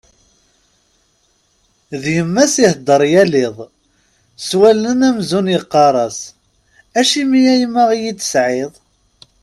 D yemma-s ihedder yal iḍ, s wallen amzun yeqqar-as: Acimi a yemma i iyi-d-tesɛiḍ?